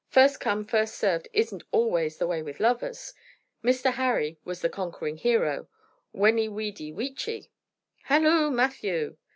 "First come first served isn't always the way with lovers. Mr. Harry was the conquering hero. 'Weni, widi, wici.'" "Halloo, Matthew!"